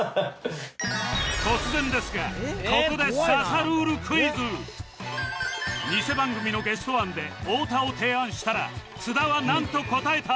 突然ですがここでニセ番組のゲスト案で太田を提案したら津田はなんと答えた？